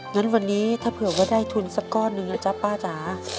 งั้นวันนี้ถ้าเผื่อว่าได้ทุนสักก้อนหนึ่งนะจ๊ะป้าจ๋า